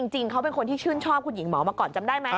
จริงเขาเป็นคนที่ชื่นชอบคุณหญิงหมอมาก่อนจำได้ไหม